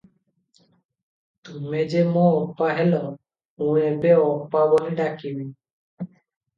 ତୁମେ ଯେ ମୋ ଅପା ହେଲ, ମୁଁ ଏବେ ଅପା ବୋଲି ଡାକିବି ।